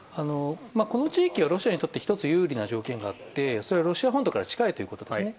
この地域はロシアにとって１つ有利な条件があってそれはロシア本土から近いということですね。